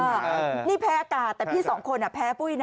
นี่แพ้อากาศแต่พี่สองคนแพ้ปุ้ยนะ